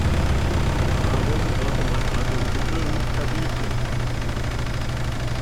Warum sollte man also Kippeln verbieten?